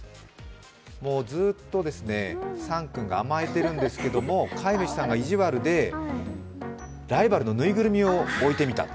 ずーっとサンくんが甘えているんですけども、飼い主さんが意地悪で、ライバルのぬいぐるみを置いてみた。